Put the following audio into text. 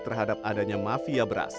terhadap adanya mafia beras